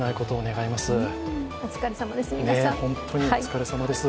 本当にお疲れさまです。